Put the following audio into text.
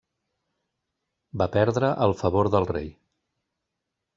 Va perdre el favor del rei.